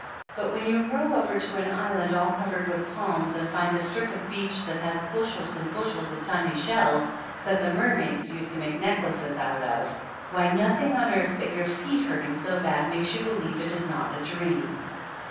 But when you row over to an island all covered with palms and find a strip of beach that has bushels and bushels of tiny shells, that the mer maids used to make necklaces out of why, 261 THE ANNALS OF ANN nothing on earth but your feet hurting so bad makes yt>u believe it is not a dream